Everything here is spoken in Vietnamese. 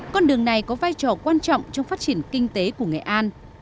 con đường này có vai trò quan trọng trong phát triển kinh tế của nghệ an